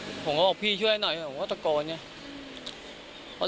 ผมก็บอกพี่ช่วยหน่อยผมก็ตะโกนไง